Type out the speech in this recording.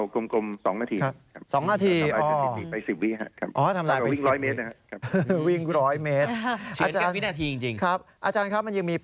ก็เอากลม๒นาที